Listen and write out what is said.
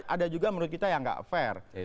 karena ada juga menurut kita yang gak fair